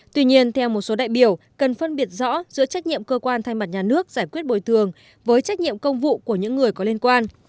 tuy nhiên theo một số đại biểu cần phân biệt rõ giữa trách nhiệm cơ quan thay mặt nhà nước giải quyết bồi thường với trách nhiệm công vụ của những người có liên quan